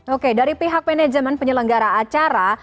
oke dari pihak manajemen penyelenggara acara